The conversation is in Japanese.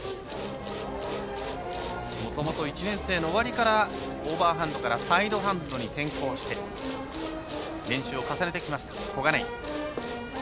もともと１年生の終わりからオーバーハンドからサイドハンドに転向して練習を重ねてきました、小金井。